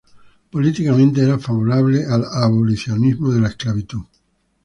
Políticamente era favorable al abolicionismo de la esclavitud.